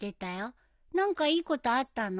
何かいいことあったの？